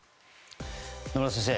野村先生